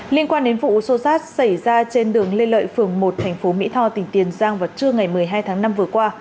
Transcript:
liên quan đến vụ xô xát xảy ra trên đường lê lợi phường một thành phố mỹ tho tỉnh tiền giang vào trưa ngày một mươi hai tháng năm vừa qua